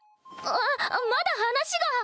あっまだ話が。